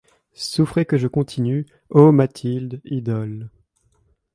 Souffrez que je continue :« O Mathilde, idole.